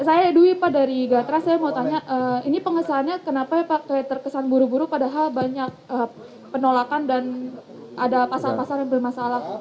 saya edwi pak dari gatras saya mau tanya ini pengesannya kenapa pak terkesan buru buru padahal banyak penolakan dan ada pasar pasar yang bermasalah